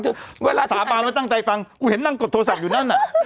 ตาบ้ามันป้าตั้งใจฟังกูเห็นนั่งกดโทรศัพท์อยู่นั่น